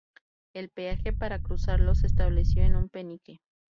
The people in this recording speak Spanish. El peaje para cruzarlo se estableció en un penique.